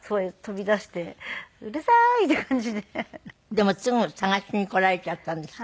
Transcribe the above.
でもすぐ捜しにこられちゃったんですって？